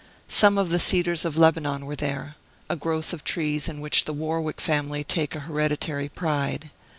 Some of the cedars of Lebanon were there, a growth of trees in which the Warwick family take an hereditary pride.